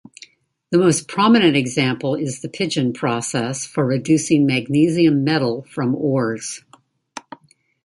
The most prominent example is the Pidgeon process for reducing magnesium metal from ores.